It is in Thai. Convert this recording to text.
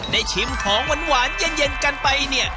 ชิมของหวานเย็นกันไปเนี่ย